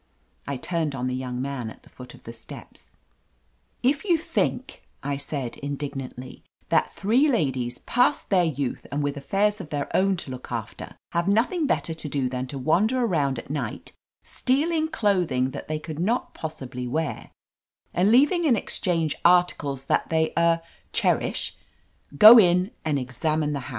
I turned on the young man at the foot of the steps. "If you think," I said indignantly, "that three ladies, past their youth and with affairs of their own to look after, have nothing better to do than to wander around at night stealing clothing that they could not possibly wear, and leaving in exchange articles that they er— cher ish, go in and examine the house."